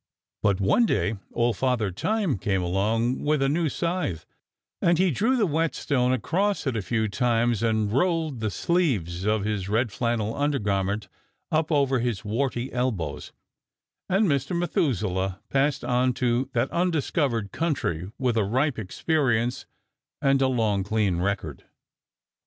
But one day old Father Time came along with a new scythe, and he drew the whetstone across it a few times and rolled the sleeves of his red flannel undergarment up over his warty elbows, and Mr. Methuselah passed on to that undiscovered country with a ripe experience and a long, clean record.